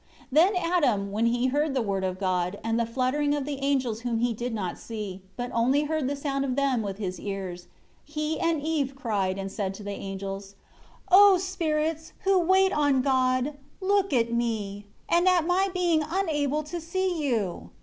2 Then Adam, when he heard the Word of God, and the fluttering of the angels whom he did not see, but only heard the sound of them with his ears, he and Eve cried, and said to the angels: 3 "O Spirits, who wait on God, look at me, and at my being unable to see you!